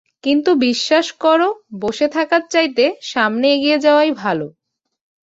কিন্তু বিশ্বাস করো, বসে থাকার চাইতে সামনে এগিয়ে যাওয়াই ভালো।